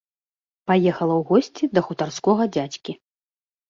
Паехала ў госці да хутарскога дзядзькі.